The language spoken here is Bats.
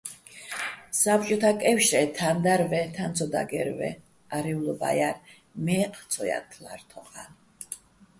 საბჭოთაკეჲვშრე თან დარ ვაჲ, თან ცო დაგერ ვაჲ, არი́ვლობა́ ჲარ, მაჲჴი̆ ცო ჲათთლა́რ თოყა́ლ.